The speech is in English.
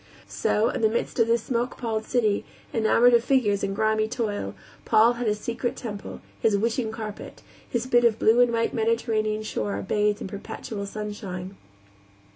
So, in the midst of that smoke palled city, enamored of figures and grimy toil, Paul had his secret temple, his wishing carpet, his bit of blue and white Mediterranean shore bathed in perpetual sunshine.